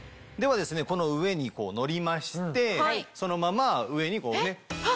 ではこの上に乗りましてそのまま上にこうね。